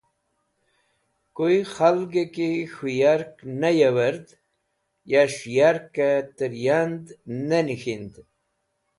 Kuy k̃halg ki k̃hũ yark ne yewẽr yas̃h yarkẽ tẽr yad ne nik̃hind.